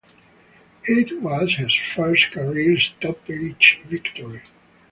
It was his first career stoppage victory.